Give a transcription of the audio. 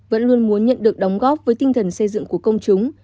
vẫn luôn muốn nhận được đóng góp với tinh thần xây dựng của công chúng